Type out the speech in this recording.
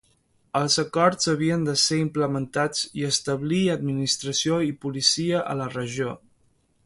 Els acords havien de ser implementats i establir administració i policia a la regió.